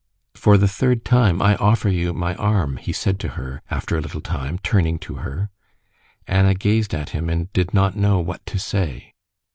"For the third time I offer you my arm," he said to her after a little time, turning to her. Anna gazed at him and did not know what to say.